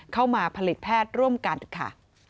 เข้ามาผลิตแพทย์ร่วมกันค่ะ